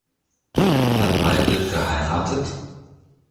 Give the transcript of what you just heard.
Hat Maybrit geheiratet?